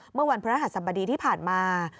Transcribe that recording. เมื่อวันพระรหัสบดีที่ผ่านมา